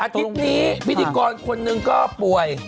อาทิตย์นี้พิธีกรคนหนึ่งก็ป่วย